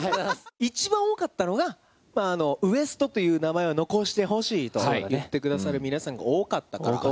一番多かったのが、ＷＥＳＴという名前を残してほしいと言ってくださる皆さんが多か多かったな。